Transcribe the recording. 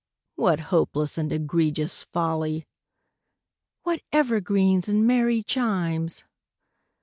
(What hopeless and egregious folly!) What evergreens and merry chimes!